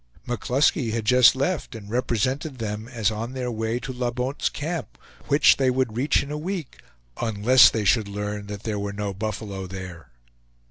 McCluskey had just left and represented them as on their way to La Bonte's Camp, which they would reach in a week, UNLESS THEY SHOULD LEARN THAT THERE WERE NO BUFFALO THERE.